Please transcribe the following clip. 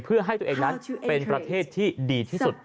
เพื่อให้ตัวเองนั้นเป็นประเทศที่ดีที่สุด